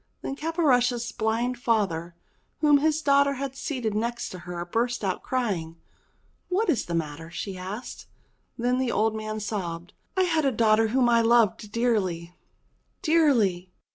Then Caporushes' blind father, whom his daughter had seated next to her, burst out crying. "What is the matter?" she asked. Then the old man sobbed, *'I had a daughter whom I loved dearly, dearly.